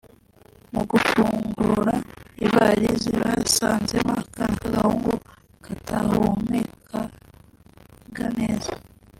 Mu gufungura ivalisi basanzemo akana k’agahungu katahumekaga neza